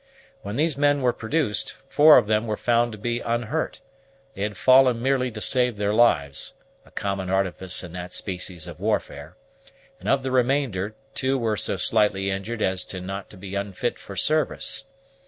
When these men were produced, four of them were found to be unhurt; they had fallen merely to save their lives, a common artifice in that species of warfare; and of the remainder, two were so slightly injured as not to be unfit for service.